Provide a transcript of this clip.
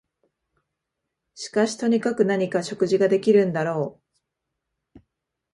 しかしとにかく何か食事ができるんだろう